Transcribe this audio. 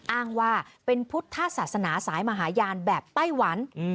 อ้างว่าเป็นพุทธศาสนาสายมหาญาณแบบไต้หวัน